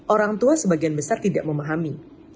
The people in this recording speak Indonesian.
orang tua sebagian besar tidak memahami